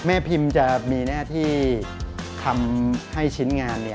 เมภิมจะมีแน่ที่ทำให้ชิ้นงาน